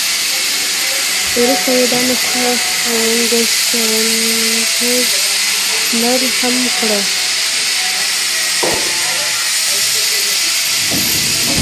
وروسته یې دا نسخه ګسټتنر هم کړه.